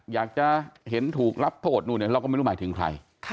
อยากจะเห็นถูกรับโทษก็ไม่รู้หมายถึงใคร